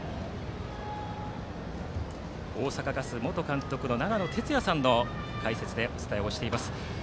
大阪ガス元監督の長野哲也さんの解説でお伝えをしています。